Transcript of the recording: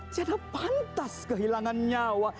tidak pantas kehilangan nyawa